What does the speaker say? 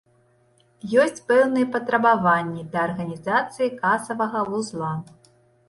Ёсць пэўныя патрабаванні да арганізацыі касавага вузла.